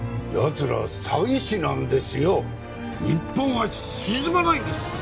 つらは詐欺師なんですよ日本は沈まないんです！